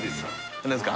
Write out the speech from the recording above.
何ですか？